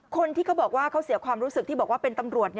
คนที่เขาบอกว่าเขาเสียความรู้สึกที่บอกว่าเป็นตำรวจ